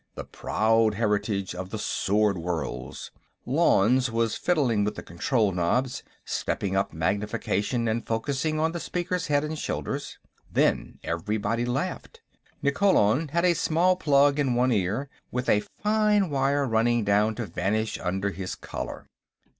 The proud heritage of the Sword Worlds. Lanze was fiddling with the control knobs, stepping up magnification and focusing on the speaker's head and shoulders. Then everybody laughed; Nikkolon had a small plug in one ear, with a fine wire running down to vanish under his collar.